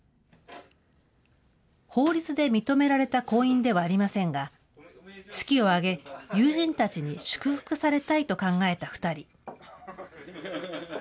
法律で認められた婚姻ではありませんが、式を挙げ、友人たちに祝福されたいと考えた２人。